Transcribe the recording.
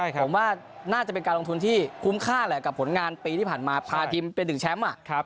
ผมว่าน่าจะเป็นการลงทุนที่คุ้มค่าแหละกับผลงานปีที่ผ่านมาพาทีมเป็นหนึ่งแชมป์